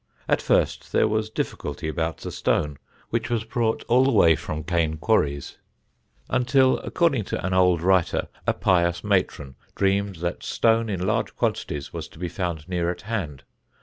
At first there was difficulty about the stone, which was brought all the way from Caen quarries, until, according to an old writer, a pious matron dreamed that stone in large quantities was to be found near at hand.